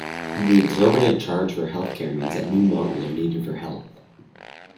The exorbitant charge for healthcare means new models are needed for health.